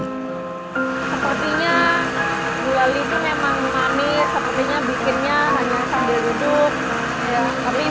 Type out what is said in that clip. sepertinya gulali itu memang manis sepertinya bikinnya hanya sambil duduk